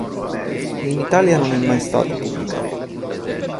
In Italia non è mai stato pubblicato.